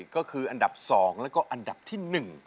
ก็คืออันดับ๒แล้วก็อันดับที่๑